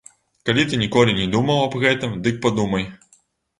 Калі ты ніколі не думаў аб гэтым, дык падумай.